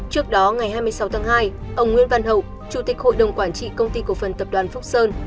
trước đó ngày hai mươi sáu tháng hai ông nguyễn văn hậu chủ tịch hội đồng quản trị công ty cổ phần tập đoàn phúc sơn